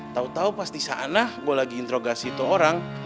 tau tau pas di sana gua lagi introgasi itu orang